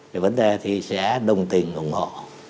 cái vấn đề thì sẽ đồng tình cùng họ